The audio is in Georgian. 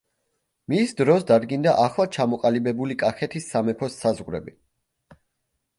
მის დროს დადგინდა ახლად ჩამოყალიბებული კახეთის სამეფოს საზღვრები.